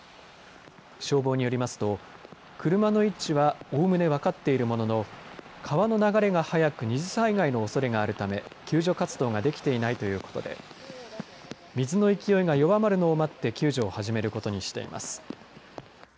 消防によりますと、車の位置は、おおむね分かっているものの川の流れが速く、二次災害のおそれがあるため、救助活動ができていないということで、水の勢いが弱まるのを待って、救助を始めることにしています。